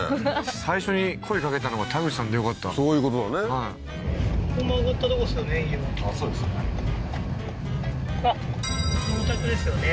最初に声かけたのが田口さんでよかったそういうことだねはいそうですね